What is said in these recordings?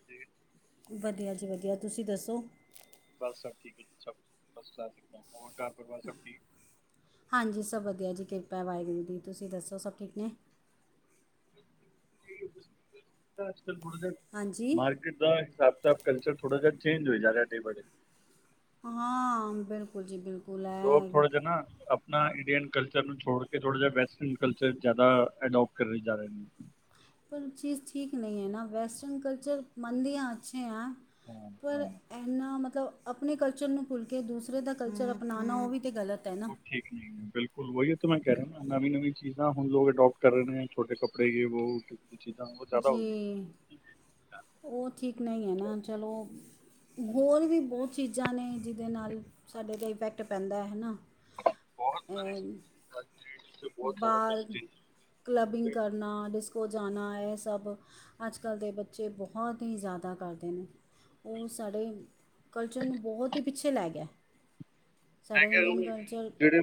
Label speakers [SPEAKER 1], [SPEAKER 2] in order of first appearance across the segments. [SPEAKER 1] ਅਤੇੇ [unintelligible]
[SPEAKER 2] ਵਧੀਆ ਜੀ ਵਧੀਆ, ਤੁਸੀ ਦੱਸੋ?
[SPEAKER 1] ਬਸ ਸਭ ਠੀਕ ਹੈ ਜੀ, [unintelligible] ਫਸਟ ਕਲਾਸ ਕਿਦਾ ਹੋਰ ਘਰ-ਪਰਵਾਰ ਸਭ ਠੀਕ?
[SPEAKER 2] ਹਾਂਜੀ ਸਭ ਵਧੀਆ ਜੀ ਕਿਰਪਾ ਏ ਵਾਹਿਗੁਰੂ ਦੀ, ਤੁਸੀ ਦੱਸੋ ਸਭ ਠੀਕ ਨੇ?
[SPEAKER 1] [unintelligible] ਅੱਜ-ਕੱਲ ਥੋ ੜਾ ਜਾ
[SPEAKER 2] ਹਾਂਜੀ।
[SPEAKER 1] ਕਿੱਦਾ ਹਿਸਾਬ-ਕਿਤਾਬ ਕਲਚਰ ਥੋੜਾ ਜਾ ਚੇਂਜ ਹੋਈ ਜਾਂਰੇਯਾ ਦਿਨ ਬ ਦਿ
[SPEAKER 2] ਹਾਂ, ਬਿਲਕੁਲ ਜੀ ਬਿਲ
[SPEAKER 1] ਲੋਕ ਥੋੜਾ ਜਾ ਨਾ ਅਪਨਾ ਇੰਡੀਅਨ ਕਲਚਰ ਨੂੰ ਛੋੜਕੇ ਥੋੜਾ ਜੇਯਾ ਵੈਸਟਰਨ ਕਰ ਜਾਦਾ, ਅਡੌਪਟ ਕਰਨੇ ਜਾ ਰਹੇ ਨੇ।
[SPEAKER 2] ਪਰ ਔ ਚੀਜ਼ ਠੀਕ ਨਹੀਂ ਹੈ ਨਾ, ਵੈਸਟਰਨ ਕਲਚਰ ਮੰਨਦੇ ਆਂ, ਅੱਛੇ ਆਂ
[SPEAKER 1] ਹਾਂ
[SPEAKER 2] ਪਰ
[SPEAKER 1] ਹਾਂ
[SPEAKER 2] ਇੰਹਨਾ ਮਤਲਬ ਆਪਣੇ ਕਲਚਰ ਨੂੰ ਭੁੱਲਕੇ ਦੂਸਰੇ ਦਾ ਕਲਚਰ ਅਪਨਾਨਾ ਔ ਵੀ ਤੇ ਗਲਤ ਐ ਨਾ।
[SPEAKER 1] ਉਹ ਠੀਕ ਜੀ। ਬਿਲਕੁਲ ਵਹੀ ਤਾਂ ਮੈਂ ਕਹਿ ਰਿਹਾ ਨਵੀਂ ਨਵੀਂ ਚੀਜ਼ਾਂ ਹੁਣ ਅਡੋਪਟ ਕਰ ਰਹੇ ਨੇ ਛੋਟੇ ਕੱਪੜੇ ਜਿ ਵੋ
[SPEAKER 2] ਜੀ ਉਹ ਠੀਕ ਨਹੀਂ ਹੈ ਨਾ ਚਲੋ। ਹੋਰ ਵੀ ਬਹੁਤ ਚੀਜ਼ਾਂ ਨੇ ਜਿਹਦੇ ਨਾਲ ਸਾਡੇ ਤੇ ਇਫੈਕਟ ਪੈਂਦਾ ਹੈ ਹਨਾ।
[SPEAKER 1] ਬਹੁਤ ਸ
[SPEAKER 2] ਬਾਹਰ ਕਲਬਿੰਗ ਕਰਨਾ ਡਿਸਕੋ ਜਾਨਾ ਇਹ ਸਭ ਅੱਜ ਕੱਲ੍ਹ ਦੇ ਬੱਚੇ ਬਹੁਤ ਹੀ ਜ਼ਿਆਦਾ ਕਰਦੇ ਨੇ। ਉਹ ਸਾਡੇ ਕਲਚਰ ਨੂੰ ਬਹੋਤ ਹੀ ਪਿੱਛੇ ਲੈ ਗਿਆ
[SPEAKER 1] ਮੈਂ
[SPEAKER 2] ਸਾਡਾ
[SPEAKER 1] ਕਿਹਾ ਉਹ
[SPEAKER 2] ਇੰਡੀਅਨ ਕਲਚਰ
[SPEAKER 1] ਜਿਹੜੇ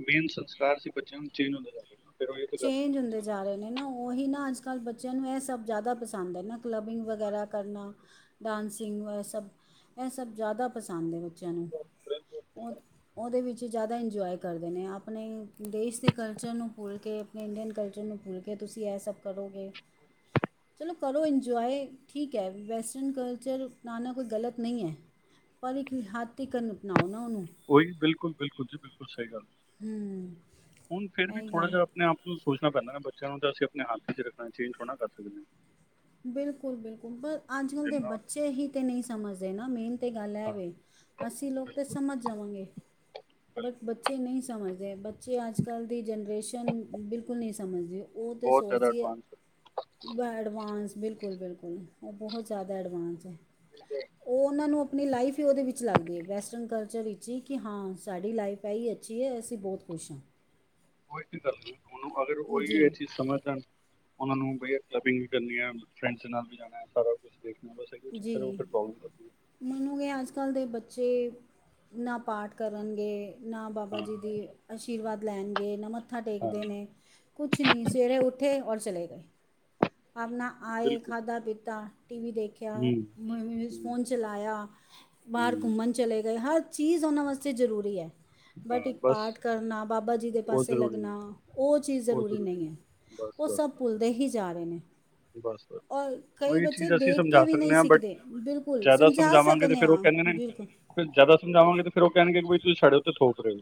[SPEAKER 1] ਮੇਨ ਸੰਸਕਾਰ ਸੀ ਬੱਚਿਆਂ ਨੂੰ ਚੇਂਜ ਹੁੰਦੇ ਜਾ ਰਹੇ ਆ
[SPEAKER 2] ਚੇਂਜ ਹੁੰਦੇ ਜਾ ਰਹੇ ਨੇ ਨਾ ਓਹੀ ਨਾ ਅੱਜ ਕੱਲ੍ਹ ਬੱਚਿਆਂ ਨੂੰ ਇਹ ਸਭ ਜ਼ਿਆਦਾ ਪਸੰਦ ਐ ਨਾ ਕਲਬਿੰਗ ਵਗੈਰਾ ਕਰਨਾ ਡਾਂਸਿੰਗ ਇਹ ਸਭ ਇਹ ਸਭ ਜ਼ਆਦਾ ਪਸੰਦ ਏ ਬੱਚਿਆਂ ਨੂੰ ਔ ਔਦੇ ਵਿੱਚ ਜਾਦਾ ਇੰਜੋ ਆਏ ਕਰਦੇ ਨੇ, ਆਪਣੇ ਦੇਸ਼ ਦੇ ਕਲਚਰ ਨੂੰ ਭੁੱਲ ਕਿ, ਆਪਨੇ ਇੰਡੀਅਨ ਕਲਚਰ ਨੂੰ ਭੁੱਲਕੇ ਤੁਸੀ ਐ ਸਭ ਕਰੋਗੇ। ਚਲੋ ਕਰੋ ਇੰਜੌ ਆਏ ਠੀਕ ਹੈ, ਵੈਸਟਰਨ ਕਲਚਰ ਅਪਨਾਨਾ ਕੋਈ ਗਲਤ ਨਈ ਹੈ। ਪਰ ਇੱਕ ਰਿਹਾਤੀਕਨ ਅਪਨਾਓ ਨਾ ਔਨੂੰ‌।
[SPEAKER 1] ਓਈ, ਬਿਲਕੁਲ -ਬਿਲਕੁਲ ਜੀ ਬਿਲਕੁਲ ਸਹੀ ਗੱਲ ਏ
[SPEAKER 2] ਹੂੰ
[SPEAKER 1] ਹੁਣ ਫਿਰ ਵੀ
[SPEAKER 2] ਇਹੀ
[SPEAKER 1] ਥੋੜਾ
[SPEAKER 2] ਗੱਲ
[SPEAKER 1] ਜਾ ਆਪਨੇ ਆਪ ਨੂੰ ਸੋਚਨਾ ਪੈਂਦਾ ਨਾ ਬੱਚਿਆਂ ਨੂੰ ਤਾਂ ਅਸੀਂ ਆਪਨੇ ਹੱਥ ਚ ਰੱਖਨਾ ਚੇਜ ਥੋੜ੍ਹਾ ਨਾ ਕਰ ਸਕਦੇ ਹਾਂ
[SPEAKER 2] ਬਿਲਕੁਲ ਬਿਲਕੁਲ ਪਰ ਅੱਜ ਕੱਲ ਦੇ
[SPEAKER 1] ਜਿੰਨਾ
[SPEAKER 2] ਬੱਚੇ ਹੀ ਤੇ ਨਹੀਂ ਸਮਝਦੇ ਨਾ ਮੇਨ ਤੇ ਗੱਲ ਐ
[SPEAKER 1] ਹਾਂ,
[SPEAKER 2] ਵੇ ਅਸੀਂ ਲੋਕ ਤਾਂ
[SPEAKER 1] ਬਿਲਕੁਲ
[SPEAKER 2] ਸਮਝ ਜਾਵਾਂਗੇ
[SPEAKER 1] ਬਿਲਕੁਲ
[SPEAKER 2] ਬਟ ਬੱਚੇ ਨਹੀਂ ਸਮਝਦੇ ਬੱਚੇ ਅੱਜ ਕੱਲ ਦੀ ਜਨਰੇਸ਼ਨ ਬਿਲਕੁਲ ਨਹੀਂ ਸਮਝਦੇ ਉਹ ਤਾਂ
[SPEAKER 1] ਬਹੁਤ ਜ਼ਿਆਦਾ
[SPEAKER 2] ਸੋਚ
[SPEAKER 1] ਐਡਵਾਂਸ
[SPEAKER 2] [unintelligible] ਐਡਵਾਂਸ ਬਿਲਕੁਲ ਬਿਲਕੁਲ ਉਹ ਬਹੁਤ ਜ਼ਿਆਦਾ ਐਡਵਾਂਸ ਹੈ ਉਹ ਉਹਨਾਂ ਨੂੰ ਆਪਣੀ ਲਾਈਫ ਹੀ ਉਹਦੇ ਵਿੱਚ ਲੱਗਦੀ ਹੈ ਵੈਸਟਰਨ ਕਲਚਰ ਵਿੱਚ ਹੀ ਕਿ ਹਾਂ ਸਾਡੀ ਲਾਈਫ ਹੈ ਹੀ ਅੱਛੀ ਹੈ ਅਸੀਂ ਬਹੁਤ ਖੁਸ਼ ਹਾਂ ਜੀ
[SPEAKER 1] [unintelligible] ਉਹਨਾਂ ਨੂੰ ਵਧੀਆ ਕਲੱਬਿੰਗ ਵੀ ਕਰਨੀ ਹੈ ਫਰੈਂਡਸ ਦੇ ਨਾਲ ਵੀ ਜਾਣਾ ਸਾਰਾ ਕੁਛ
[SPEAKER 2] ਜੀ ਮਨੋਗੇ ਅੱਜ ਕੱਲ੍ਹ ਦੇ ਬੱਚੇ ਨਾ ਪਾਠ ਕਰਨਗੇ ਨਾ ਬਾਬਾ
[SPEAKER 1] ਹੈ
[SPEAKER 2] ਜੀ ਦੀ
[SPEAKER 1] ਹਾਂ
[SPEAKER 2] ਆਸ਼ੀਰਵਾਦ ਲੈਨਗੇ ਨਾ ਮੱਥਾ ਟੇਕਦੇ
[SPEAKER 1] ਹਾਂ
[SPEAKER 2] ਨੇ ਕੁਛ ਨੀ ਸਵੇਰੇ ਉਠੇ ਔਰ ਚਲੇ ਗਏ ਆਪਨਾ ਆਏ
[SPEAKER 1] ਬਿਲਕੁਲ
[SPEAKER 2] ਖਾਧਾ ਪੀਤਾ ਟੀ ਵੀ ਦੇਖੇ
[SPEAKER 1] ਹੂੰ
[SPEAKER 2] [unintelligible]
[SPEAKER 1] ਹੂੰ
[SPEAKER 2] ਫੋਨ ਚਲਾਇਆ ਬਾਹਰ
[SPEAKER 1] ਹੂੰ
[SPEAKER 2] ਘੁੰਮਨ ਚਲੇ ਗਏ ਹਰ ਚੀਜ਼ ਉਹਨਾਂ ਵਾਸਤੇ ਜ਼ਰੂਰੀ ਐ ਬਟ
[SPEAKER 1] ਹਾਂ
[SPEAKER 2] ਇੱਕ
[SPEAKER 1] ਬਸ
[SPEAKER 2] ਪਾਠ ਕਰਨਾ ਬਾਬਾ ਜੀ ਦੇ
[SPEAKER 1] ਉਹ
[SPEAKER 2] ਪਾਸੇ
[SPEAKER 1] ਜ਼ਰੂਰੀ ਨੇ
[SPEAKER 2] ਲੱਗਨਾ ਉਹ ਚੀਜ਼ ਜ਼ਰੂਰੀ ਨਹੀਂ ਹੈ।
[SPEAKER 1] ਬਸ
[SPEAKER 2] ਉਹ
[SPEAKER 1] ਬਸ
[SPEAKER 2] ਸਭ
[SPEAKER 1] ਬਸ
[SPEAKER 2] ਭੁੱਲਦੇ ਹੀ ਜਾ ਰਹੇ ਨੇ
[SPEAKER 1] ਬਸ
[SPEAKER 2] ਔਰ ਕਈ
[SPEAKER 1] ਉਹੀ
[SPEAKER 2] ਬੱਚੇ
[SPEAKER 1] ਚੀਜ਼ ਅਸੀਂ
[SPEAKER 2] ਦੇਖ ਕੇ
[SPEAKER 1] ਸਮਝਾ
[SPEAKER 2] ਵੀ
[SPEAKER 1] ਸਕਨੇ
[SPEAKER 2] ਨਹੀਂ
[SPEAKER 1] ਹਾਂ ਬਟ
[SPEAKER 2] ਸਿੱਖਦੇ ਬਿਲਕੁਲ
[SPEAKER 1] ਜ਼ਿਆਦਾ
[SPEAKER 2] ਸਮਝਾ
[SPEAKER 1] ਸਮਝਾਵਾਂਗੇ ਤੇ
[SPEAKER 2] ਸਕਦੇ
[SPEAKER 1] ਫੇਰ ਉਹ
[SPEAKER 2] ਹਾਂ
[SPEAKER 1] ਕਹਿੰਦੇ ਨੇ
[SPEAKER 2] ਬਿਲਕੁਲ
[SPEAKER 1] ਫਿਰ ਜ਼ਿਆਦਾ ਸਮਝਾਵਾਂਗੇ ਫਿਰ ਉਹ ਕੈਹਨਗੇ ਕਿ ਵੀ ਤੁਸੀਂ ਸਾਡੇ ਉਤੇ ਥੋਪ ਰਹੇ ਹੋ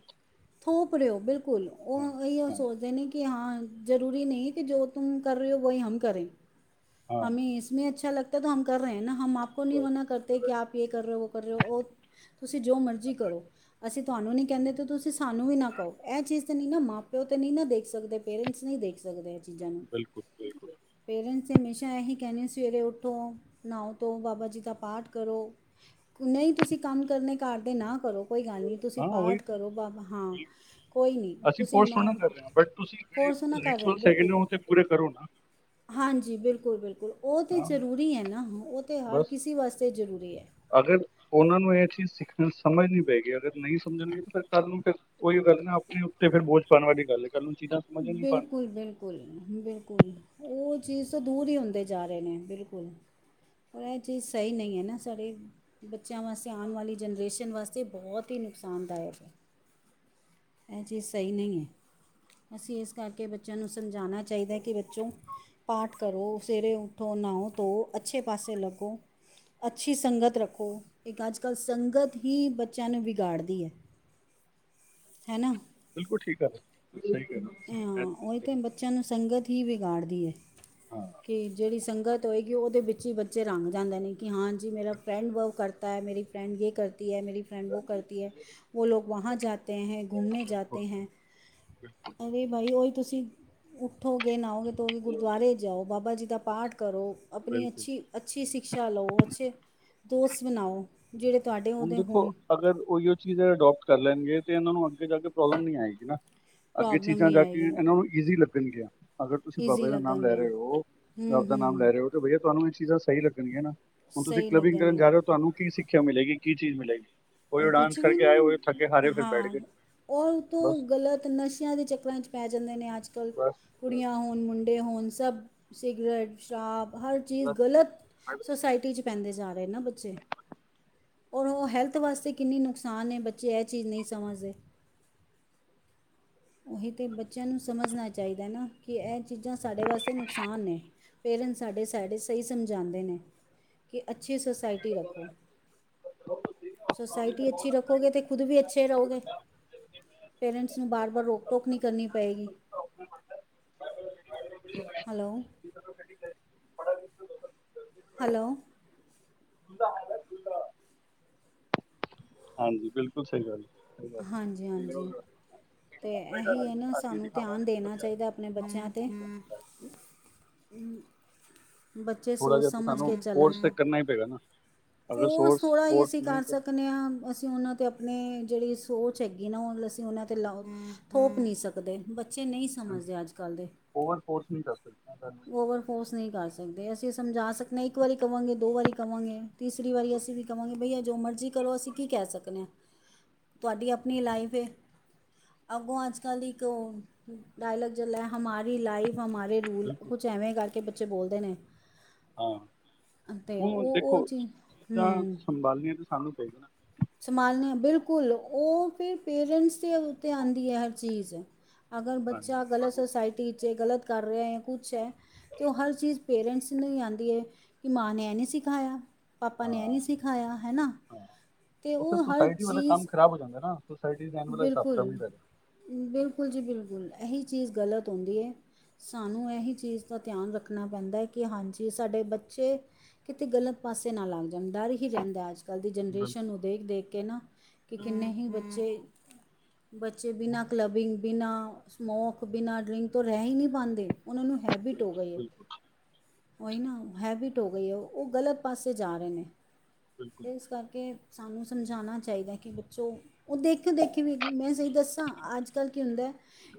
[SPEAKER 2] ਥੋਪ ਰਹੇ ਹੋ ਬਿਲਕੁਲ ਉਹ ਇਹੀ ਉਹ
[SPEAKER 1] ਹਾਂ ਹਾਂ
[SPEAKER 2] ਸੋਚਦੇ ਨੇ ਕਿ ਹਾਂ ਜ਼ਰੂਰੀ ਨਹੀਂ ਕਿ ਜੋ ਤੁਮ ਕਰ ਰਹੇ ਹੋ ਵਹੀ ਹਮ ਕਰੇ
[SPEAKER 1] [inaudible]
[SPEAKER 2] ਹਮੇ ਇਸਮੇ ਅੱਛਾ ਲਗਤਾ ਤੋ ਹਮ ਕਰ ਰਹੇ ਨਾ ਹਮ ਆਪੋ ਨਹੀਂ ਮਨਾ ਕਰਤੇ
[SPEAKER 1] ਬਸ
[SPEAKER 2] ਕਿ ਆਪ ਯੇ ਕਰ ਰਹੇ ਹੋ। [unintelligible] ਤੁਸੀਂ ਜੋ ਮਰਜ਼ੀ ਕਰੋ ਅਸੀਂ ਤੁਹਾਨੂੰ ਨੀ ਕਹਿੰਦੇ ਤੇ ਤੁਸੀਂ ਸਾਨੂੰ ਵੀ ਨਾ ਕਹੋ ਇਹ ਚੀਜ਼ ਤਾਂ ਨਹੀਂ ਨਾ ਮਾਂ ਪਿਓ ਤਾਂ ਨਹੀਂ ਨਾ ਦੇਖ ਸਕਦੇ ਪੇਰੈਂਟਸ ਨਹੀਂ ਦੇਖ ਸਕਦੇ। ਚੀਜ਼ਾਂ ਨੂੰ
[SPEAKER 1] ਬਿਲਕੁਲ ਬਿਲਕੁਲ।
[SPEAKER 2] ਪੇਰੈਂਟਸ ਹਮੇਸ਼ਾ ਇਹੀ ਕਹਿੰਨੇ ਸਵੇਰੇ ਉਠੋ ਨਾਵੋ ਧੋਵੋ ਬਾਬਾ ਜੀ ਦਾ ਪਾਠ ਕਰੋ ਨਹੀਂ ਤੁਸੀਂ ਕੰਮ ਕਰਨੇ ਘਰਦੇ ਨਾ ਕਰੋ ਕੋਈ ਗੱਲ ਨਹੀਂ ਤੁਸੀਂ
[SPEAKER 1] ਹਾਂ ਉਹੀ
[SPEAKER 2] ਪਾਠ
[SPEAKER 1] ਤੇ
[SPEAKER 2] ਕਰੋ ਬ ਹਾਂ
[SPEAKER 1] ਬਿਲਕੁਲ।
[SPEAKER 2] ਕੋਈ ਨਈ,
[SPEAKER 1] ਅਸੀਂ
[SPEAKER 2] ਤੁਸੀਂ
[SPEAKER 1] ਫੋਰਸ ਥੋੜ੍ਹਾ
[SPEAKER 2] ਨਾ,
[SPEAKER 1] ਕਰ ਰਹੇ ਹਾਂ ਬਟ ਤੁਸੀਂ
[SPEAKER 2] ਫੋਰਸ ਨਾ
[SPEAKER 1] ਜਿਹੜੇ
[SPEAKER 2] ਕਰ ਰਏ,
[SPEAKER 1] ਰਿਚੁਅਲਸ ਹੈਗੇ ਨੇ
[SPEAKER 2] ਬਿਲਕੁਲ।
[SPEAKER 1] ਉਹ ਤੇ ਪੂਰੇ ਕਰੋ ਨਾ
[SPEAKER 2] ਹਾਂਜੀ, ਬਿਲਕੁਲ-ਬਿਲਕੁਲ, ਉਹ ਤੇ
[SPEAKER 1] ਹਾਂ
[SPEAKER 2] ਜ਼ਰੂਰੀ ਏ ਨਾ, ਉਹ ਤੇ ਹਰ
[SPEAKER 1] ਬਸ
[SPEAKER 2] ਕਿਸੀ ਵਾਸ ਤੇ ਜਰੂਰੀ ਐ।
[SPEAKER 1] ਅਗਰ, ਉਨ੍ਹਾਂ ਨੂੰ ਏਹ ਚੀਜ਼ ਸਿੱਖਣ ਸਮਝਨੀ ਪਏਗੀ, ਅਗਰ ਨਈ ਸਮਝਨਗੇ, ਤੇ ਫਿਰ [unintelligible] ਔਈਉ ਗੱਲ ਐ ਨਾ, ਅਪਣੀ ਉੱਤੇ ਫੇਰ ਬੋਝ ਪਾਣ ਵਾਲੀ ਗੱਲ ਐ।
[SPEAKER 2] ਬਿਲਕੁਲ ਬਿਲ ਕੁਲ ਬਿਲਕੁਲ ਉਹ ਚੀਜ਼ ਤੋਂ ਦੂਰ ਹੀ ਹੁੰਦੇ ਜਾ ਰਹੇ ਨੇ ਬਿਲਕੁਲ ਪਰ ਐ ਚੀਜ਼ ਸਹੀ ਨਈ ਐ ਨਾ ਸਰੀ ਬੱਚਿਆਂ ਵਾਸਤੇ ਆਣ ਵਾਲੀ ਜਨਰੇਸ਼ਨ ਵਾਸਤੇ ਬੌਤ ਈ ਨੁਕਸਾਨਦਾਇਕ ਐ। ਐ ਚੀਜ਼ ਸਹੀ ਨਈ ਏ, ਅਸੀ ਇਸ ਕਰਕੇ ਬੱਚਿਆਂ ਨੂੰ ਸਮਝਾਣਾ ਚਾਹੀਦਾ ਕਿ ਬੱਚੋ ਪਾਠ ਕਰੋ, ਸਵੇਰੇ ਉੱਠੋ, ਨਾਓ ਧੋਓ, ਅੱਛੇ ਪਾਸੇ ਲੱਗੋ। ਅੱਛੀ ਸੰਗਤ ਰੱਖੋ, ਇੱਕ ਅੱਜ-ਕੱਲ ਸੰਗਤ ਹੀ ਬੱਚਿਆਂ ਨੂੰ ਵਿਗਾੜਦੀ ਐ। ਹੈਨਾ।
[SPEAKER 1] ਬਿਲਕੁਲ ਠੀਕ ਆ, ਸਹੀ ਕਿਆ।
[SPEAKER 2] ਹਾਂ ਉਹੀ ਤੇ ਬੱਚਿਆਂ ਨੂੰ ਸੰਗਤ ਹੀ ਵਿਗਾੜਦੀ ਏ
[SPEAKER 1] [unintelligible]
[SPEAKER 2] ਕਿ ਜਿਹੜੀ ਸੰਗਤ ਹੋਏਗੀ ਉਹਦੇ ਵਿੱਚ ਹੀ ਬੱਚੇ ਰੰਘ ਜਾਂਦੇ ਨੇ ਕਿ ਹਾਂਜੀ ਮੇਰਾ ਫਰੈਂਡ ਵੋ ਕਰਤਾ ਹੈ ਮੇਰੀ ਫਰੈਂਡ ਯੇ ਕਰਤੀ ਹੈ ਮੇਰੀ ਫਰੈਂਡ ਵੌ ਕਰਤੀ ਹੈ ਵੌ ਲੋਕ ਵਾਂਹਾ ਜਾਤੇ ਹੈ ਘੁੰਮਨੇ
[SPEAKER 1] ਬਿਲਕੁਲ
[SPEAKER 2] ਜਾਤੇ ਹੈ। ਅਰੇ ਭਾਈ ਓਏ ਤੁਸੀਂ ਉਠੋਗੇ ਨਾਓਗੇ ਧੋ ਗੇ ਗੁਰਦੁਆਰੇ ਜਾਓ ਬਾਬਾ ਜੀ ਦਾ ਪਾਠ ਕਰੋ ਆਪਨੀ
[SPEAKER 1] ਬਿਲਕੁਲ
[SPEAKER 2] ਅੱਛੀ ਅੱਛੀ ਸਿਕਸ਼ਾ ਲੌ ਅੱਛੇ‌ ਦੋਸਤ ਬਨਾਓ ਜੇੜੇ ਤੂਆਡੇ
[SPEAKER 1] ਹੁਣ
[SPEAKER 2] ਔਦੇ
[SPEAKER 1] ਦੇਖੋ
[SPEAKER 2] ਹੋਨਂ।
[SPEAKER 1] ਅਗਰ ਔਈਔ ਚੀਜ਼ ਅਡੋਪਟ ਕਰ ਲੈਣਗੇ, ਤੇ ਉਨਾਂ ਨੂੰ ਅੱਗੇ ਜਾ ਕੇ ਪ੍ਰੌਬਲਮ ਨੀ ਆਏਗੀ ਨਾ। ਅੱਗੇ
[SPEAKER 2] ਪ੍ਰੋਬਲਮ
[SPEAKER 1] ਚੀਜ਼ਾਂ
[SPEAKER 2] ਨਹੀਂ
[SPEAKER 1] ਜਾਕੇ,
[SPEAKER 2] ਆਏਗੀ
[SPEAKER 1] ਏਨਾਂ ਨੂੰ ਈਜ਼ੀ ਲੱਗਣਗੀਆ। ਅਗਰ ਤੁਸੀ
[SPEAKER 2] ਈਜ਼ੀ
[SPEAKER 1] ਬਾਬੇ ਦਾ ਨਾਮ ਲੈ
[SPEAKER 2] ਲੱਗਣਗੀਆਂ
[SPEAKER 1] ਰੇ ਹ ਔ,
[SPEAKER 2] ਹੂੰ
[SPEAKER 1] ਰੱਬ ਦਾ ਨਾਮ
[SPEAKER 2] ਹੂੰ
[SPEAKER 1] ਲੈ ਰੇ ਔ- ਬਯਾ ਤੁਹਾਨੂੰ ਇਹ ਚੀਜ਼ਾਂ ਸਹੀ ਲੱਗਣਗੀਆਂ ਨਾ, ਹੁਣ ਤੁਸੀਂ
[SPEAKER 2] ਸਹੀ
[SPEAKER 1] ਕਲੱਬਿੰਗ ਕਰਨ ਜਾ
[SPEAKER 2] ਲੱਗਣਗੀਆਂ
[SPEAKER 1] ਰਹੇ ਹੋ, ਤੁਹਾਨੂੰ ਕੀ ਸਿੱਖਿਆ ਮਿਲੇਗੀ। ਕੀ ਚੀਜ਼ ਮਿਲੇਗੀ? ਵੜੜੜੜਟਰੜਵਲ
[SPEAKER 2] ਕੁਛ ਵੀ ਨੀ,
[SPEAKER 1] ਬੈਠ
[SPEAKER 2] ਹਾਂ,
[SPEAKER 1] ਗਏ
[SPEAKER 2] ਔ ਤੇ
[SPEAKER 1] ਬਸ
[SPEAKER 2] ਗਲਤ ਨਸ਼ਿਆਂ ਦੇ ਚੱਕਰਾਂ'ਚ ਪੈ ਜਾਂਦੇ ਨੇ ਆਜ-ਕਲ,
[SPEAKER 1] ਬਸ ਬਸ
[SPEAKER 2] ਕੁੜੀਆਂ ਹੋਣ, ਮੁੰਡੇ ਹੋਣ, ਸਭ ਸਿਗਰੇਟ, ਸ਼ਰਾਬ ਹਰ ਚੀਜ਼
[SPEAKER 1] ਬਸ
[SPEAKER 2] ਗਲਤ ਸੋਸਾਇਟੀ'ਚ ਪੈਂਦੇ ਜਾ ਰੇ ਨਾ ਬੱਚੇ, ਔਰ ਔ ਹੈਲ ਤ ਵਾਸਤੇ ਕਿੰਨੀ ਨੁਕਸਾਨ ਏ, ਬੱਚੇ ਐ ਚੀਜ਼ ਨਹੀਂ ਸਮਝਦੇ। ਉਹੀ ਤੇ ਬੱਚਿਆਂ ਨੂੰ ਸਮਝਣਾ ਚਾਹੀਦਾ ਨਾ, ਕਿ ਇਹ ਚੀਜ਼ਾਂ ਸਾਡੇ ਵਾਸਤੇ ਨੁਕਸਾਨ ਨੇ ਪੇਰੈਂਟਸ ਸਾਡੇ ਸਾਈਡੇ ਸਹੀ ਸਮਝਾਉਦੇ ਨੇ, ਕਿ ਅੱਛੀ ਸੋਸਾਇਈਟੀ ਰੱਖੋ ਸੋਸਾਇਟੀ ਅੱਛੀ ਰੱਖੋਗੇ, ਤੇ ਖੁਦ ਵੀ ਅੱਛੇ ਰਹੋਗੇ ਪੇਰੈਂਟਸ ਨੂੰ ਬਾਰ-ਬਾਰ ਰੋਕ ਟੋਕ ਨਹੀਂ ਕਰਨੀ ਪਏਗੀ। Hello hello.
[SPEAKER 1] [unintelligible] ਹਾਂਜੀ ਬਿਲਕੁਲ ਸਹੀ ਗੱਲ ਹੈ।
[SPEAKER 2] ਹਾਂਜੀ-ਹਾਂਜੀ। ਤੇ ਇਹੀ ਹੈ ਨਾ
[SPEAKER 1] ਅਸੀਂ
[SPEAKER 2] ਸਾਨੂੰ ਧਿਆਨ
[SPEAKER 1] ਸਿਖਾਵਾਂਗੇ
[SPEAKER 2] ਦੇਣਾ ਚਾਹੀਦਾ ਆਪਣੇ ਬੱਚਿਆਂ ਤੇ ਬੱਚੇ
[SPEAKER 1] ਥੋੜਾ
[SPEAKER 2] ਸੋਚ
[SPEAKER 1] ਜਿਹਾ ਤੇ
[SPEAKER 2] ਸਮਝ
[SPEAKER 1] ਸਾਨੂੰ
[SPEAKER 2] ਕੇ ਚਲਣ।
[SPEAKER 1] ਫੋਰਸ ਤੇ ਕਰਨਾ ਹੀ ਪਏਗਾ ਨਾ ਅਗਰ
[SPEAKER 2] ਫੋਰਸ
[SPEAKER 1] ਸੋਰਸ
[SPEAKER 2] ਥੋੜ੍ਹਾ
[SPEAKER 1] ਫੋਰਸ
[SPEAKER 2] ਅਸੀਂ
[SPEAKER 1] ਨਹੀਂ
[SPEAKER 2] ਕਰ
[SPEAKER 1] ਕਰਾਂ
[SPEAKER 2] ਸਕਦੇ ਹਾਂ, ਅਸੀਂ ਉਹਨਾਂ ਤੇ ਆਪਣੇ ਜਿਹੜੀ ਸੋਚ ਹੈਗੀ ਨਾ, ਉਹ ਅਸੀਂ ਉਹਨਾਂ ਤੇ ਲਾ ਥੋਪ ਨਹੀਂ ਸਕਦੇ, ਬੱਚੇ ਨਹੀਂ ਸਮਝਦੇ ਅੱਜ ਕੱਲ੍ਹ ਦੇ।
[SPEAKER 1] ਓਵਰ ਫੋਰਸ ਨਹੀਂ ਕਰ ਸਕਦੇ।
[SPEAKER 2] ਓਵਰ ਫੋਰਸ ਨਹੀਂ ਕਰ ਸਕਦੇ ਅਸੀਂ ਸਮਝਾ ਸਕਦੇ ਆ, ਇੱਕ ਵਾਰੀ ਕਹਾਂਗੇ ਦੋ ਵਾਰੀ ਕਹਾਂਗੇ ਤੀਸਰੀ ਵਾਰੀ ਅਸੀਂ ਵੀ ਕਿਉ ਬਈਆ ਜੋ ਮਰਜ਼ੀ ਕਰੋ ਅਸੀਂ ਕੀ ਕਹਿ ਸਕਦੇ ਹਾਂ, ਤੁਹਾਡੀ ਆਪਣੀ ਲਾਈਫ ਏ ਅੱਗੋਂ ਅੱਜ ਕੱਲ੍ਹ ਇੱਕ ਓ, ਡਾਇਲੋਗ ਚਲਿਆ ਹੈ, ਹਮਾਰੀ ਲਾਈਫ ਹਮਾਰੇ ਰੁ
[SPEAKER 1] ਬਿਲਕੁਲ।
[SPEAKER 2] ਐਵੇ ਕਰਕੇ ਬੱਚੇ ਬੋਲਦੇ ਨੇ
[SPEAKER 1] ਹਾਂ
[SPEAKER 2] ਤੇ ਉਹ-ਉਹ ਚੀਜ਼ ਹੂੰ
[SPEAKER 1] ਸੰਬਾਲਨੀਆਂ ਤੇ ਸਾਨੂੰ ਪਏਗੀ ਨਾ।
[SPEAKER 2] ਸੰਭਾਲਨਿਆਂ, ਬਿਲਕੁਲ, ਉਹ ਫਿਰ ਪੇਰੈਂਟਸ ਦੇ ਉੱਤੇ ਆਂਦੀ ਹੈ ਹਰ ਚੀਜ਼। ਅਗਰ
[SPEAKER 1] ਹਾਂਜੀ
[SPEAKER 2] ਬੱਚਾ ਗਲਤ ਸੋਸਾਇਟੀ ਇੱਚ ਏ, ਗਲਤ ਕਰ ਰੇਆ ਯਾ ਕੁਛ ਐ ਤੇ ਉਹ ਹਰ ਚੀਜ਼ ਪੇਰੈਂਟਸ ਨੂੰ ਈ ਆਂਦੀ ਏ, ਕਿ ਮਾਂ ਨੇ ਏਹ ਨਈ ਸਿਖਾਇਆ। ਪਾਪਾ ਨੇ ਏਹ ਨਹੀਂ
[SPEAKER 1] ਹਾਂ
[SPEAKER 2] ਸਿਖਾਇਆ, ਹੈ ਨਾ।
[SPEAKER 1] ਹਾਂ
[SPEAKER 2] ਅਤੇ
[SPEAKER 1] ਉਹ ਫਿਰ
[SPEAKER 2] ਹਰ
[SPEAKER 1] ਸੋਸਾਇਟੀ ਵਾਲੇ
[SPEAKER 2] ਚੀਜ਼
[SPEAKER 1] ਕੰਮ ਖਰਾਬ ਹੋ ਜਾਂਦਾ ਨਾ, ਸੋਸਾਇਟੀ ਇੱਚ ਰੇਹਣ ਵਾਲਾ ਹਿਸਾਬ
[SPEAKER 2] ਬਿਲਕੁਲ
[SPEAKER 1] ਕਿਤਾਬ ਨਈ
[SPEAKER 2] ਬਿਲਕੁਲ ਜੀ ਬਿਲਕੁਲ, ਏਹੀ ਚੀਜ਼ ਗ਼ਲਤ ਹੁੰਦੀ ਏ। ਸਾਨੂੰ ਏਹੀ ਚੀਜ਼ ਦਾ ਤਿਆਨ ਰੱਖਣਾ ਪੈਂਦਾ, ਕੇ ਹਾਂਜੀ ਸਾਡੇ ਬੱਚੇ ਕਿਤੇ ਗਲਤ ਪਾਸੇ ਨਾ ਲੱਗ ਜਾਣ, ਡਰ ਹੀ ਰਹਿੰਦਾ ਅੱਜ ਅੱਜ ਕੱਲ੍ਹ ਦੀ ਜਨਰੇਸ਼ਨ
[SPEAKER 1] ਬਿਲਕੁਲ
[SPEAKER 2] ਨੂੰ ਦੇਖ-ਦੇਖ ਕੇ ਨਾ, ਕਿ ਕਿੰਨੇ ਹੀ ਬੱਚੇ ਬੱਚੇ ਬਿਨਾਂ ਕਲੱਬਿੰਗ, ਬਿਨਾਂ ਸਮੋਕ, ਬਿਨਾਂ ਡਰਿੰਕ ਤੋਂ ਰੇਹ ਈ ਨਹੀਂ ਪਾਂਦੇ ਉਹਨਾਂ ਨੂੰ ਹੈਬਿਟ
[SPEAKER 1] ਬਿਲਕੁਲ
[SPEAKER 2] ਹੋ ਗਈ ਹੈ।
[SPEAKER 1] ਬਿਲਕੁਲ
[SPEAKER 2] ਹੋਈ ਨਾ ਹੈਬਿਟ ਹੋ ਗਈ ਹੈ, ਉਹ ਗਲਤ ਪਾਸੇ ਜਾ ਰਹੇ ਨੇ
[SPEAKER 1] ਬਿਲਕੁਲ
[SPEAKER 2] ਇਸ ਕਰਕੇ ਸਾਨੂੰ ਸਮਝਾਉਣਾ ਚਾਹੀਦਾ ਕਿ ਬੱਚੋ ਉਹ ਦੇਖਣ ਦੇਖੀ ਵੀ, ਮੈਂ ਸਹੀ ਦੱਸਾਂ ਅੱਜ ਕੱਲ ਕੀ ਹੁੰਦਾ ਹੈ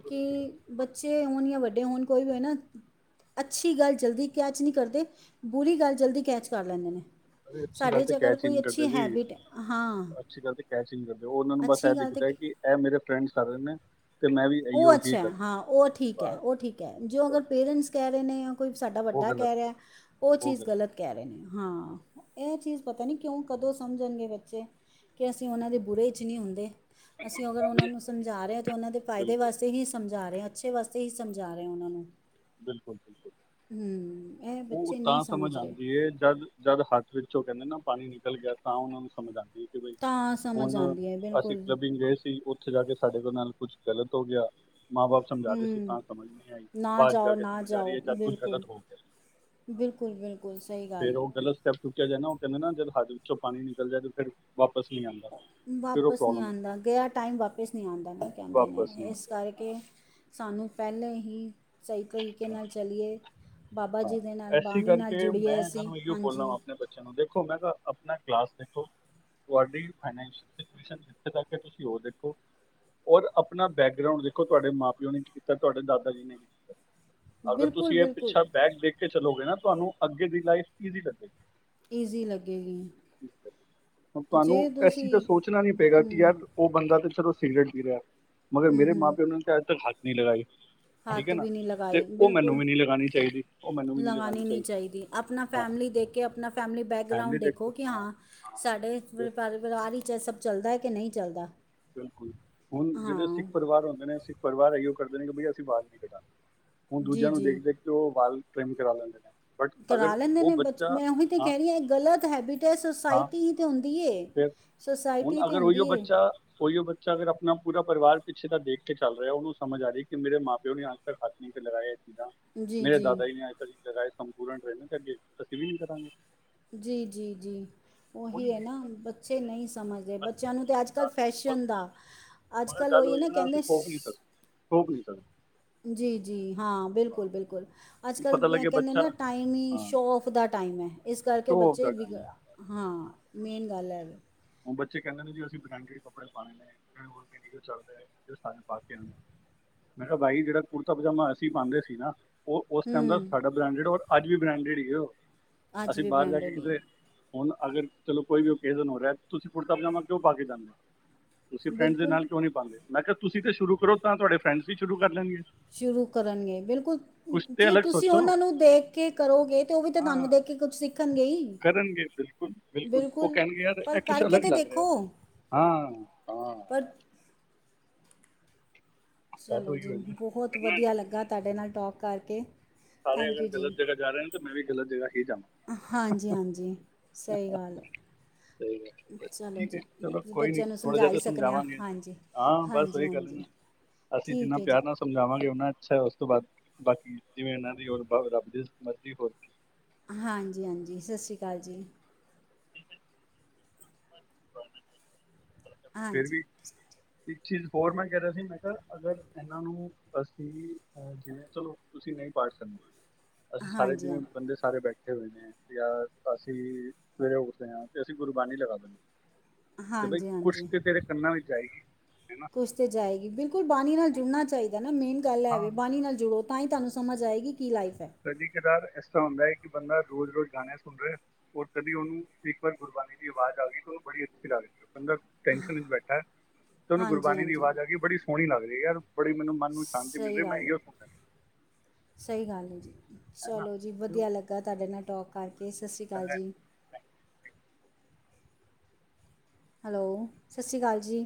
[SPEAKER 2] ਕਿ ਬੱਚੇ ਹੋਣ ਜਾਂ ਵੱਡੇ ਹੋਣ, ਕੋਈ ਵੀ ਨਾ ਅੱਛੀ ਗੱਲ ਜਲਦੀ ਕੈਚ ਨਹੀਂ ਕਰਦੇ, ਬੁਰੀ ਗੱਲ ਜਲਦੀ ਕੈਚ ਕਰ ਲੈਂਦੇ ਨੇ।
[SPEAKER 1] ਅਰੇ ਅੱਛੀ
[SPEAKER 2] ਸਾਡੇ
[SPEAKER 1] ਗੱਲ
[SPEAKER 2] ਚ
[SPEAKER 1] ਤੇ
[SPEAKER 2] ਅਗਰ
[SPEAKER 1] ਕੈਚ ਹੀ
[SPEAKER 2] ਕੋਈ
[SPEAKER 1] ਨਹੀਂ
[SPEAKER 2] ਅੱਛੀ
[SPEAKER 1] ਕਰਦੇ ਜੀ
[SPEAKER 2] ਹੈਬਿਟ ਏ
[SPEAKER 1] ਅੱਛੀ ਗੱਲ ਤੇ ਕੈਚ ਈ ਨਈ ਕਰਦੇ, ਉਹਨਾਂ ਨੂੰ ਬਸ ਏਹ
[SPEAKER 2] ਅੱਛੀ ਗੱਲ
[SPEAKER 1] ਦਿਖਦਾ
[SPEAKER 2] ਤਾਂ
[SPEAKER 1] ਏ ਕਿ, ਏਹ ਮੇਰੇ ਫਰੈਂਡ ਸਾਰੇ ਨੇ ਤੇ ਮੈਂ ਵੀ
[SPEAKER 2] ਉਹ
[SPEAKER 1] ਇਹੀਓ ਹੀ
[SPEAKER 2] ਅੱਛਾ ਹੈ,
[SPEAKER 1] ਕਰਨਾ
[SPEAKER 2] ਹਾਂ ਉਹ ਠੀਕ ਐ,
[SPEAKER 1] ਬਸ
[SPEAKER 2] ਉਹ ਠੀਕ ਐ, ਜੋ ਅਗਰ
[SPEAKER 1] ਬਸ
[SPEAKER 2] ਪੇਰੈਂਟਸ ਕੇਹ ਰਏ ਨੇ, ਯਾ ਕੋਈ ਸਾਡਾ
[SPEAKER 1] ਉਹ
[SPEAKER 2] ਵੱਡਾ
[SPEAKER 1] ਗਲਤ
[SPEAKER 2] ਕੇਹ
[SPEAKER 1] ਹੈ
[SPEAKER 2] ਰਿਹਾ ਉਹ ਚੀਜ਼ ਗ਼ਲਤ ਕੇਹ ਰਏ ਨੇ, ਹਾਂ ਏਹ ਚੀਜ਼ ਪਤਾ ਨੀ ਕਿਉਂ? ਕਦੋਂ ਸਮਝਣਗੇ ਬੱਚੇ? ਕੇ ਅਸੀਂ ਔਨਾਂ ਦੇ ਬੁਰੇ ਇੱਚ ਨਈ ਹੁੰਦੇ,
[SPEAKER 1] ਹੈ।
[SPEAKER 2] ਅਸੀਂ ਅਗਰ ਉਹਨਾਂ ਨੂੰ ਸਮਝਾ ਰਹੇ ਆ ਫਾਏਦੇ
[SPEAKER 1] ਬਿਲਕੁਲ
[SPEAKER 2] ਵਾਸਤੇ ਹੀ ਸਮਝਾ ਰਹੇ ਹਾ, ਅੱਛੇ ਵਾਸਤੇ ਹੀ ਸਮਝਾ ਰਹੇ ਹਾ ਉਹਨਾਂ ਨੂੰ।
[SPEAKER 1] ਬਿਲਕੁਲ-ਬਿਲਕੁਲ,
[SPEAKER 2] ਹੂੰ ਇਹ
[SPEAKER 1] ਉਹ
[SPEAKER 2] ਬੱਚੇ ਨਹੀਂ
[SPEAKER 1] ਤਾਂ ਸਮਝ
[SPEAKER 2] ਰਹੇ
[SPEAKER 1] ਆਂਦੀ ਏ ਜਦ ਜਦ ਹੱਥ ਵਿੱਚੋ ਉਹ ਕਹਿੰਦੇ ਨਾ, ਪਾਣੀ ਨਿਕਲ ਗਿਆ ਤਾਂ ਉਹਨਾਂ ਨੂੰ ਸਮਝ ਆਂਦੀ ਏ।
[SPEAKER 2] ਤਾਂ ਸਮਝ
[SPEAKER 1] ਹੁਣ,
[SPEAKER 2] ਆਉਂਦੀ ਹੈ
[SPEAKER 1] ਅਸੀਂ
[SPEAKER 2] ਬਿਲਕੁਲ
[SPEAKER 1] ਕਲੱਬਿੰਗ ਗਏ ਸੀ ਔਥੇ ਜਾ ਕੇ ਸਾਡੇ ਦੇ ਨਾਲ ਕੁੱਛ ਗ਼ਲਤ ਹੋ ਗਿਆ, ਮਾਂ ਬਾਪ ਸਮਝਾ ਰਹੇ ਸੀ
[SPEAKER 2] ਹੂੰ
[SPEAKER 1] ਤਾਂ ਸਮਝ ਨਈ ਆਈ।
[SPEAKER 2] ਨਾ
[SPEAKER 1] ਤਦ ਜਾ
[SPEAKER 2] ਜਾਓ
[SPEAKER 1] ਕੇ
[SPEAKER 2] ਨਾ
[SPEAKER 1] ਸਮਝ ਆ ਰਈ
[SPEAKER 2] ਜਾਓ
[SPEAKER 1] ਹੈ ਜਦ ਕੁਝ
[SPEAKER 2] ਬਿਲਕੁਲ
[SPEAKER 1] ਗ਼ਲਤ ਹੋ ਗਿਆ।
[SPEAKER 2] ਬਿਲਕੁਲ ਬਿਲਕੁਲ ਸਹੀ
[SPEAKER 1] ਫੇਰ
[SPEAKER 2] ਗੱਲ
[SPEAKER 1] ਉਹ
[SPEAKER 2] ਹੈ
[SPEAKER 1] ਗਲਤ ਸਟੈਪ ਚੁੱਕੇਆ ਜਾਏ ਨਾ, ਉਹ ਕਹਿੰਦੇ ਨਾ, ਜਦ ਹੱਦ ਵਿੱਚੋਂ ਪਾਣੀ ਨਿਕਲ ਜਾਏ ਤੇ ਫਿਰ ਵਾਪਸ ਨਈ ਆਂ
[SPEAKER 2] ਵਾਪਸ ਨਈ ਆਂਦਾ, ਗਯਾ ਟਾਈਮ ਵਾਪਿਸ ਨਈ ਆਂਦਾ, ਐਵੇਂ ਕਹਿੰਦੇ ਨੇ,
[SPEAKER 1] ਵਾਪਸ ਨਹੀਂ
[SPEAKER 2] ਏਸ
[SPEAKER 1] ਆਉਂਦਾ
[SPEAKER 2] ਕਰ ਕੇ, ਸਾਨੂੰ ਪੈਲੇ ਹੀ ਸਈ ਕਰੀਕੇ
[SPEAKER 1] ਹਾਂ, ਹਾਂ
[SPEAKER 2] ਨਾਲ ਚਲੀਏ ਬਾਬਾ
[SPEAKER 1] ਹਾਂ
[SPEAKER 2] ਜੀ ਦੇ ਨਾਲ,
[SPEAKER 1] ਐਸੀ
[SPEAKER 2] ਬਾਣੀ ਨਾਲ ਜੁੜੀਏ ਅਸੀਂ, ਹਾਂਜੀ।
[SPEAKER 1] ਚਲੋ ਦੇਖੋ ਮੈਂ ਕਿਹਾ, ਆਪਣਾ ਕਲਾਸ ਦੇਖੋ। ਤੁਹਾਡੀ ਫਾਈਨੇਸ਼ਲ ਕੰਡਿਸ਼ਨ ਕਿੱਥੇ ਤਕ ਹੈ ਤੁਸੀਂ ਔ ਦੇਖੋ। ਔਰ ਅਪਣਾ ਬੈਕਰਾਉਂਡ ਦੇਖੋ, ਤੁਹਾਡੇ ਮਾਂ ਪਿਓ ਨੇ ਕੀ ਕੀਤਾ? ਤੁਹਾਡੇ ਦਾਦਾ ਜੀ ਨੇ ਕੀ ਕੀਤਾ? ਅਗਰ
[SPEAKER 2] ਬਿਲਕੁਲ
[SPEAKER 1] ਤੁਸੀਂ ਏਹ
[SPEAKER 2] ਬਿਲਕੁਲ
[SPEAKER 1] ਪਿੱਛਾ ਬੈਕ ਦੇਖ ਕੇ ਚਲੋਗੇ ਨਾ, ਤੁਹਾਨੂੰ ਅੱਗੇ ਦੀ ਲਾਈਫ ਈਜ਼ੀ ਲੱਗੇਗੀ। ਹੁਣ ਤੁਹਾਨੂੰ,
[SPEAKER 2] ਜੇ
[SPEAKER 1] ਏਸ ਚੀਜ਼
[SPEAKER 2] ਤੁਸੀਂ
[SPEAKER 1] ਦਾ ਸੋਚਣਾ ਨੀ ਪਏਗਾ,
[SPEAKER 2] ਹੂੰ
[SPEAKER 1] ਕਿ ਯਾਰ ਔਹ ਬੰਦਾ ਤੇ ਚਲੋ ਸਿਗਰੇਟ ਪੀ ਰੇਆ, ਮਗਰ
[SPEAKER 2] ਹੂੰ
[SPEAKER 1] ਮੇਰੇ ਮਾਂ
[SPEAKER 2] ਹੂੰ
[SPEAKER 1] ਪਿਓ ਨੇ ਤੇ ਅੱਜ ਤੱਕ ਹੱਥ ਨਈ ਲਗਾਈ। ਠੀਕ ਐ
[SPEAKER 2] ਹੱਥ
[SPEAKER 1] ਨਾ,
[SPEAKER 2] ਵੀ ਨਹੀਂ
[SPEAKER 1] ਤੇ
[SPEAKER 2] ਲਗਾਈ
[SPEAKER 1] ਔਹ ਮੈਨੂੰ
[SPEAKER 2] ਬਿਲਕੁਲ
[SPEAKER 1] ਵੀ ਨਈ ਲਗਾਣੀ ਚਾਈਦੀ।
[SPEAKER 2] ਲਗਾਉਣੀ ਨਹੀਂ ਚਾਹੀਦੀ ਆਪਣਾ
[SPEAKER 1] ਹਾਂ
[SPEAKER 2] ਫੈਮਿਲੀ ਦੇਖ ਕੇ ਆਪਣਾ ਫੈਮਿਲੀ ਬੈਕਗਰਾਉਂਡ ਦੇਖੋ ਕਿ ਹਾਂ ਸਾਡੇ
[SPEAKER 1] ਬਸ
[SPEAKER 2] ਪਰਿਵਾਰ ਹੀ ਇਹ ਸਭ ਚੱਲਦਾ ਹੈ ਕਿ ਨਹੀਂ ਚੱਲਦਾ
[SPEAKER 1] ਬਿਲਕੁਲ ਹੁਣ ਜਿਹੜੇ
[SPEAKER 2] ਹਾਂ
[SPEAKER 1] ਸਿੱਖ ਪਰਿਵਾਰ ਹੁੰਦੇ ਨੇ ਸਿੱਖ ਪਰਿਵਾਰ ਇਓ ਕਰਦੇ ਨੇ ਕਿ ਬਈ ਅਸੀਂ ਬਾਲ ਨਹੀਂ ਕੱਟਣੇ ਹੁਣ
[SPEAKER 2] ਜੀ
[SPEAKER 1] ਦੂਜਿਆਂ ਨੂੰ
[SPEAKER 2] ਜੀ
[SPEAKER 1] ਦੇਖ-ਦੇਖ ਕੇ ਉਹ ਵਾਲ ਪ੍ਰੇਮ ਕਰਵਾ ਲੈਂਦੇ ਨੇ ਬਟ ਅਗਰ
[SPEAKER 2] ਕਰਾ ਲੈਂਦੇ
[SPEAKER 1] ਉਹ
[SPEAKER 2] ਨੇ ਬਚ,
[SPEAKER 1] ਬੱਚਾ
[SPEAKER 2] ਮੈਂ ਉਹੀ ਤੇ
[SPEAKER 1] ਹਾਂ
[SPEAKER 2] ਕੇਹ ਰਈ ਆ, ਏਹ ਗ਼ਲਤ ਹੈਬਿਟ ਏ, ਸੋਸਾਇਟੀ ਈ ਤੇ ਹੁੰਦੀ ਐ।
[SPEAKER 1] ਫੇਰ, ਹੁਣ ਅਗਰ ਉਹੀਓ ਬੱਚਾ ਓਈਓ ਬੱਚਾ ਅਗਰ, ਆਪਣਾ ਪੂਰਾ ਪਰਿਵਾਰ ਪਿੱਛੇ ਦਾ ਦੇਖ ਕੇ ਚੱਲ ਰੇਆ, ਉਹਨੂੰ ਸਮਝ ਆ ਰਈ, ਕਿ ਮੇਰੇ ਮਾਂ ਪਿਓ ਨੇ [unintelligible] ਅਸੀਂ ਤੇ ਲਗਾਏ ਏਹ [unintelligible] ਮੇਰੇ ਦਾਦਾ ਜੀ ਨੇ ਅੱਜ ਤੱਕ ਲਗਾਏ ਸੰਪੂਰਨ [unintelligible] ਨੀ ਲਗੇ। ਅਸੀਂ ਵੀ ਨੀ ਕਰਾਂਗੇ।
[SPEAKER 2] ਜੀ-ਜੀ-ਜੀ,
[SPEAKER 1] ਉਹੀ
[SPEAKER 2] ਔਹੀ ਹੈ ਨਾ
[SPEAKER 1] ਰੀਜ਼ਨ
[SPEAKER 2] ਬ ਬੱਚੇ ਨਈ ਸਮਝਦੇ,
[SPEAKER 1] ਬੱਚੇ
[SPEAKER 2] ਬੱਚਿਆਂ ਨੂੰ ਤੇ ਅੱਜ ਕੱਲ੍ਹ
[SPEAKER 1] ਜਾਣੇ ਬਹੁਤ
[SPEAKER 2] ਫੈਸ਼ਨ
[SPEAKER 1] ਜ਼ਰੂਰੀ।
[SPEAKER 2] ਦਾ, ਅੱਜ ਕੱਲ੍ਹ ਉਈਏ ਨਾ ਕੇਂਦੇ
[SPEAKER 1] ਸੋ ਪੀਸਦ।
[SPEAKER 2] ਜੀ-ਜੀ ਹਾਂ, ਬਿਲਕੁਲ-ਬਿਲਕੁਲ, ਅੱਜ
[SPEAKER 1] ਹੁਣ
[SPEAKER 2] ਕੱਲ੍ਹ
[SPEAKER 1] ਪਤਾ
[SPEAKER 2] ਕ
[SPEAKER 1] ਲੱਗੇ
[SPEAKER 2] ਕਹਿੰਦੇ
[SPEAKER 1] ਬੱਚਾ
[SPEAKER 2] ਨਾ, ਟਾਈਮ ਈ
[SPEAKER 1] ਹਾਂ
[SPEAKER 2] ਸ਼ੌ ਫ ਦਾ ਟਾਈਮ ਐ, ਇਸ ਕਰਕੇ
[SPEAKER 1] ਸ਼ੋ ਆਫ
[SPEAKER 2] ਬੱਚੇ
[SPEAKER 1] ਦਾ
[SPEAKER 2] ਵਿ,
[SPEAKER 1] ਟਾਈਮ
[SPEAKER 2] ਹਾਂ ਮੇਨ ਗੱਲ ਏਹ ਵੇ।
[SPEAKER 1] ਹੁਣ ਬੱਚੇ ਕੇਨਦੇ ਨੇ ਜੀ ਅਸੀਂ ਬਰੈਂਡੀਡ ਕੱਪੜੇ ਪਾਣੇ ਨੇ, ਮੈਂ ਹੋਰ ਕੋਈ ਰੀਲ ਚਲ ਰੇਆ, ਜੋ ਸਾਰੇ ਪਾ ਕੇ ਆਣ। ਮੈਂ ਕਿਹਾ ਬਾਈ ਜਿਹੜਾ ਕੁੜਤਾ ਪਜਾਮਾ ਅਸੀਂ ਪਾਂਦੇ ਸੀ ਨਾ ਉਹ ਉਸ ਟਮ ਦਾ
[SPEAKER 2] ਹੂੰ
[SPEAKER 1] ਸਾਡਾ ਬ੍ਰਾਂਡਡ ਔਰ ਅੱਜ ਵੀ ਬ੍ਰਾਂਡਡ ਹੀ ਉਹ
[SPEAKER 2] ਅੱਜ
[SPEAKER 1] ਅਸੀਂ
[SPEAKER 2] ਵੀ
[SPEAKER 1] ਬਾਹਰ ਜਾ ਕੇ
[SPEAKER 2] ਬ੍ਰੈਂਡਡ ਹੀ
[SPEAKER 1] ਕਿਤੇ
[SPEAKER 2] ਹੈ
[SPEAKER 1] ਹੁਣ ਅਗਰ ਚਲੋ ਕੋਈ ਵੀ ਓਕੇਜਨ ਹੋ ਰਿਹਾ, ਤੁਸੀਂ ਕੁੜਤਾ ਪਜਾਮਾ ਕਿਉਂ ਪਾ ਕੇ ਜਾਂਦੇ ਹੋ ਤੁਸੀਂ ਫਰੈਂਡ ਦੇ
[SPEAKER 2] ਬਿਲਕੁਲ
[SPEAKER 1] ਨਾਲ ਕਿਉਂ ਨੀ ਪਾਂਦੇ, ਮੈਂ ਕਿਹਾ ਤੁਸੀਂ ਤੇ ਸ਼ੁਰੂ ਕਰੋ ਤਾਂ ਤੁਹਾਡੇ ਫਰੈਂਡਸ ਹੀ ਸ਼ੁਰੂ ਕਰ ਲੈਣਗੇ
[SPEAKER 2] ਸ਼ੁਰੂ ਕਰਨਗੇ, ਬਿਲਕੁਲ
[SPEAKER 1] ਕੁਝ ਤੇ
[SPEAKER 2] ਜੇ
[SPEAKER 1] ਅਲੱਗ
[SPEAKER 2] ਤੁਸੀਂ
[SPEAKER 1] ਸੋਚੋ
[SPEAKER 2] ਉਹਨਾ ਨੂੰ ਦੇਖ ਕੇ ਕਰੋਗੇ ਤੇ ਉਹ ਵੀ ਤਾਂ
[SPEAKER 1] ਹਾਂ
[SPEAKER 2] ਤੁਹਾਨੂੰ ਦੇਖ ਕੇ ਕੁਛ ਸਿੱਖਣਗੇ ਹੀ
[SPEAKER 1] ਕਰਨਗੇ
[SPEAKER 2] ਬਿਲਕੁਲ ਪਰ
[SPEAKER 1] ਕੁਛ
[SPEAKER 2] ਕਰਕੇ
[SPEAKER 1] ਅਲੱਗ
[SPEAKER 2] ਤੇ
[SPEAKER 1] ਲੱਗ
[SPEAKER 2] ਦੇਖੋ
[SPEAKER 1] ਰਿਹਾ ਹਾਂ-ਹਾਂ
[SPEAKER 2] ਪਰ
[SPEAKER 1] ਗੱਲ
[SPEAKER 2] ਚਲੋ
[SPEAKER 1] ਹੋਈ
[SPEAKER 2] ਜੀ
[SPEAKER 1] ਹੋਈ ਨਾ
[SPEAKER 2] ਬਹੁਤ ਵਧੀਆ ਲੱਗਾ ਤੁਹਾਡੇ ਨਾਲ ਟੋਕ ਕਰਕੇ
[SPEAKER 1] ਸਾਰੇ
[SPEAKER 2] ਥੈਂਕ ਯੂ
[SPEAKER 1] ਅਗਰ
[SPEAKER 2] ਜੀ
[SPEAKER 1] ਗ਼ਲਤ ਜਗ੍ਹਾ ਜਾ ਰਹੇ ਨੇ ਤਾਂ ਮੈਂ ਵੀ ਗਲਤ ਜਗਾ ਹੀ ਜਾਵਾਂ
[SPEAKER 2] ਹਾਂਜੀ-ਹਾਂਜੀ ਸਹੀ ਗੱਲ ਹੈ
[SPEAKER 1] ਸਹੀ
[SPEAKER 2] ਚਲੋ ਜੀ ਬੱਚਿਆਂ ਨੂੰ ਸਮਝਾ ਹੀ ਸਕਦੇ ਹਾਂ ਹਾਂਜੀ
[SPEAKER 1] ਹਾਂ, ਬਸ
[SPEAKER 2] ਹਾਂਜੀ
[SPEAKER 1] ਉਹੀ ਗੱਲ ਨਾ
[SPEAKER 2] ਹਾਂਜੀ
[SPEAKER 1] ਅਸੀਂ ਜਿੰਨਾ
[SPEAKER 2] ਠੀਕ ਹੈ ਜੀ
[SPEAKER 1] ਪਿਆਰ ਨਾਲ ਸਮਝਾਵਾਂਗੇ, ਉਹਨਾ ਅੱਛਾ ਉਸ ਤੋਂ ਬਾਅਦ ਬਾਕੀ ਜਿਵੇਂ ਇਹਨਾਂ ਦੀ ਹੋਰ ਰੱਬ ਦੀ ਹੋਰ
[SPEAKER 2] ਹਾਂਜੀ ਹਾਂਜੀ ਸਤਿ ਸ਼੍ਰੀ ਅਕਾਲ ਜੀ
[SPEAKER 1] ਫਿਰ
[SPEAKER 2] ਹਾਂਜੀ
[SPEAKER 1] ਵੀ ਇੱਕ ਚੀਜ਼ ਹੋਰ ਮੈਂ ਕਹਿ ਰਿਹਾ ਸੀ ਮੈਂ ਕਿਹਾ ਅਗਰ ਇਹਨਾਂ ਨੂੰ ਅਸੀਂ ਜਿਵੇਂ ਚਲੋ ਤੁਸੀਂ ਨਹੀਂ ਪਾੜ ਸਕਦੇ ਅਸੀਂ ਸਾਰੇ
[SPEAKER 2] ਹਾਂਜੀ
[SPEAKER 1] ਜਿਵੇਂ
[SPEAKER 2] ਹਾਂ
[SPEAKER 1] ਬੰਦੇ ਸਾਰੇ ਬੈਠੇ ਬੈਠੇ ਹੋਏ ਨੇ, ਯ ਅਸੀਂ ਮੇਰੇ ਉਠਦੇ ਹਾਂ ਤੇ ਅਸੀਂ ਗੁਰਬਾਣੀ ਲਗਾ ਦੇਦੇ ਤੇ ਬਾਈ
[SPEAKER 2] ਹਾਂਜੀ
[SPEAKER 1] ਕੁਛ
[SPEAKER 2] ਹਾਂਜੀ
[SPEAKER 1] ਤੇ ਤੇਰੇ ਕੰਨਾਂ ਵਿੱਚ ਜਾਏਗੀ ਹੇਨਾ
[SPEAKER 2] ਕੁਛ ਤੇ ਜਾਏਗੀ ਬਿਲਕੁਲ ਬਾਣੀ ਨਾਲ ਜੁੜਨਾ ਚਾਹੀਦਾ ਨਾ ਮੇਨ ਗੱਲ ਹੈਵੇ
[SPEAKER 1] ਹਾਂ
[SPEAKER 2] ਬਾਣੀ ਨਾਲ ਜੁੜੋ ਤਾਂ ਹੀ ਤੁਹਾਨੂੰ ਸਮਝ ਆਏਗੀ ਕੀ ਲਾਈਫ ਹੈ
[SPEAKER 1] ਪਹਿਲੀ ਕਿਦਾਰ ਇਸ ਤ੍ਹਾਂ ਹੁੰਦਾ ਹੈ ਕਿ ਬੰਦਾ ਰੋਜ਼ ਰੋਜ਼ ਗਾਣੇ ਸੁਣ ਰਿਹਾ ਰ ਕਦੀ ਉਹਨੂੰ ਇੱਕ ਵਾਰ ਗੁਰਬਾਣੀ ਦੀ ਆਵਾਜ਼ ਆ ਗਈ ਤੇ ਉਹਨੂੰ ਬੜੀ ਅੱਛੀ ਲੱਗਦੀ ਬੰਦਾ ਟੈਨਸ਼ਨ ਵਿੱਚ ਬੈਠਾ ਹੈ, ਤੁਹਾਨੂੰ
[SPEAKER 2] ਹਾਂਜੀ
[SPEAKER 1] ਗੁਰਬਾਣੀ ਦੀ
[SPEAKER 2] ਹਾਂਜੀ
[SPEAKER 1] ਆਵਾਜ਼ ਆ ਗਈ ਬੜੀ ਸੋਹਣੀ ਲੱਗਦੀ ਹੈ ਯਾਰ ਬੜੀ ਮੈਨੂੰ ਮਨ ਨੂੰ ਸ਼ਾਂਤੀ ਮਿਲ ਰਹੀ
[SPEAKER 2] ਸਹੀ
[SPEAKER 1] ਮੈਂ
[SPEAKER 2] ਗੱਲ ਹੈ,
[SPEAKER 1] ਇਹੋ ਸੁਣਦਾ
[SPEAKER 2] ਸਹੀ ਗੱਲ ਹੈ ਜੀ
[SPEAKER 1] ਹਾਂ, ਹੈ ਨਾ
[SPEAKER 2] ਚਲੋ ਜੀ
[SPEAKER 1] ਤੇ ਉਹ
[SPEAKER 2] ਵਧੀਆ ਲੱਗਦਾ ਤੁਹਾਡੇ ਨਾਲ ਟੋਕ ਕਰਕੇ ਸਤਿ ਸ਼੍ਰੀ ਅਕਾਲ
[SPEAKER 1] ਚੰਗਾ ਹੈ।
[SPEAKER 2] ਜੀ ਹੈਲੋ ਸਤਿ ਸ਼੍ਰੀ ਅਕਾਲ ਜੀ